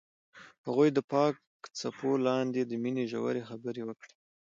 هغوی د پاک څپو لاندې د مینې ژورې خبرې وکړې.